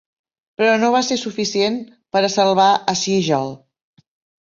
Però no va ser suficient per a salvar a Siegel.